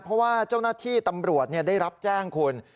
เพราะว่าเจ้าหน้าที่ตำรวจได้รับแจ้งคุณ